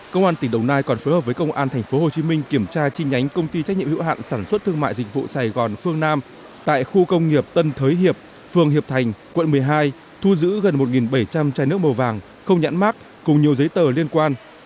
công an tỉnh đồng nai còn phối hợp với công an tp hcm kiểm tra chi nhánh công ty trách nhiệm hữu hạn sản xuất thương mại dịch vụ sài gòn phương nam tại khu công nghiệp tân thới hiệp phường hiệp thành quận một mươi hai thu giữ gần một bảy trăm linh chai nước màu vàng không nhãn mát cùng nhiều giấy tờ liên quan